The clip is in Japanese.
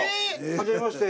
はじめまして。